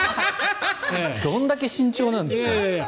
どんだけ慎重なんですか。